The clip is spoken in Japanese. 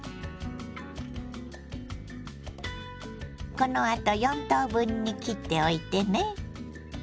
このあと４等分に切っておいてね。